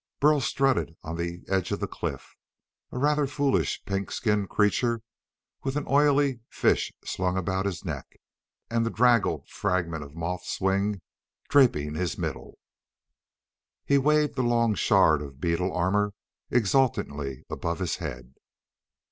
Burl strutted on the edge of the cliff, a rather foolish pink skinned creature with an oily fish slung about his neck and the draggled fragment of moth's wing draping his middle. He waved the long shard of beetle armor exultantly above his head.